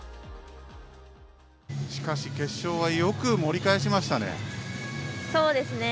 しかし、決勝はよく盛り返しましたね。